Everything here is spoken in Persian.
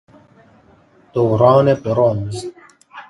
دوران برنز